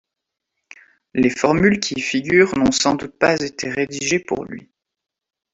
Les formules qui y figurent n'ont sans doute pas été rédigées pour lui.